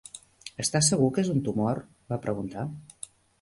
"Està segur que és un tumor? va preguntar.